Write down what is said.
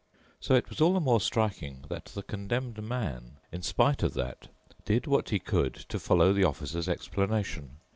So it was all the more striking that the Condemned Man, in spite of that, did what he could to follow the Officer's explanation.